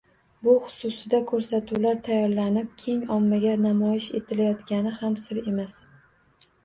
Bu xususida ko`rsatuvlar tayyorlanib, keng ommaga namoyish etilayotgani ham sir emas